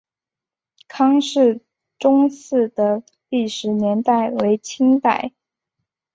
康氏宗祠的历史年代为清代。